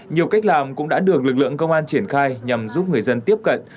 nhiều cách làm cũng đã được lực lượng công an triển khai nhằm giúp người dân tiếp cận